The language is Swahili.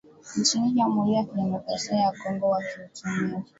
nchini Jamhuri ya Kidemokrasi ya Kongo wakituhumiwa